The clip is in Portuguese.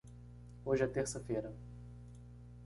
Hoje é terça-feira.